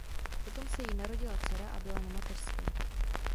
Potom se jí narodila dcera a byla na mateřské.